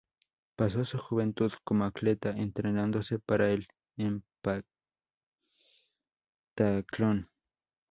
Pasó su juventud como atleta, entrenándose para el Heptatlón.